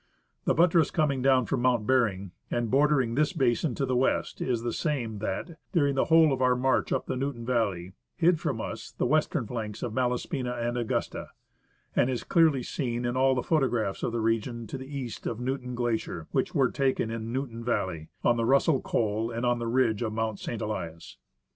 The buttress coming down from Mount Behring, and bordering this basin to the west, is the same that, during tlie whole of our march up the Newton valley, hid from us the western flanks of Malaspina and Augusta, and is clearly seen in all the photographs of the region to the east of Newton Glacier which were taken in Newton valley, on the Russell col, and on the ridge of Mount St. Elias.